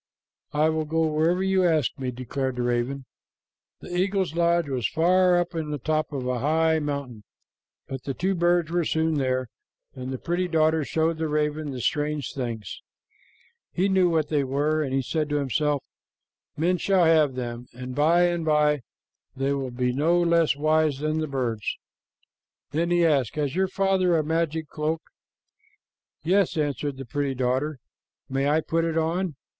"I will go wherever you ask me," declared the raven. The eagle's lodge was far up on the top of a high mountain, but the two birds were soon there, and the pretty daughter showed the raven the strange things. He knew what they were, and he said to himself, "Men shall have them, and by and by they will be no less wise than the birds." Then he asked, "Has your father a magic cloak?" "Yes," answered the pretty daughter. "May I put it on?"